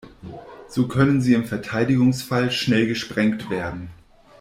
So können sie im Verteidigungsfall schnell gesprengt werden.